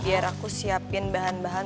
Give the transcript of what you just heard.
biar aku siapin bahan bahan